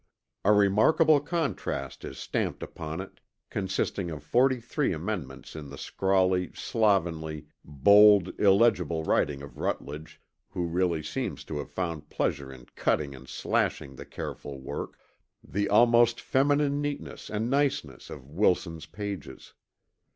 A remarkable contrast is stamped upon it consisting of 43 amendments in the scrawly, slovenly, bold, illegible writing of Rutledge, who really seems to have found pleasure in cutting and slashing the careful work, the almost feminine neatness and niceness of Wilson's pages.